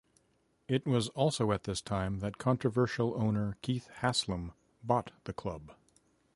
It was also at this time that controversial owner Keith Haslam bought the club.